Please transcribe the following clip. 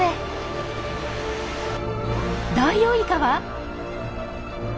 ダイオウイカは？